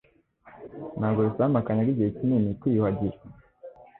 Ntabwo bisaba Makanyaga igihe kinini kwiyuhagira